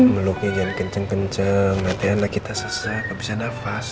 mulutnya jangan kenceng kenceng hati hati kita sesak gak bisa nafas